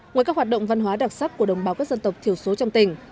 ngoài các hoạt động văn hóa đặc sắc của đồng bào các dân tộc thiểu số trong tỉnh